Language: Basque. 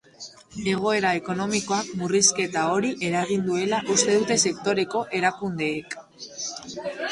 Egoera ekonomikoak murrizketa hori eragin duela uste dute sektoreko erakundeek.